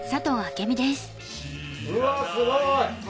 うわすごい！